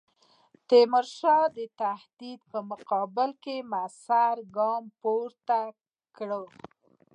تیمورشاه د تهدید په مقابل کې موثر ګام پورته کړ.